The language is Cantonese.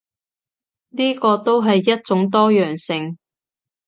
呢個都係一種多樣性